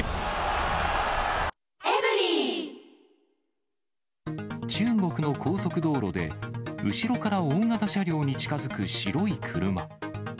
オ中国の高速道路で、後ろから大型車両に近づく白い車。